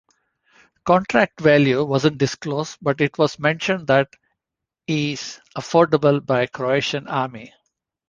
Contract value wasn't disclosed but it was mentioned that is affordable for Croatian Army.